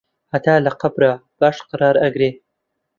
هەتا لە قەبرا باش قەرار ئەگرێ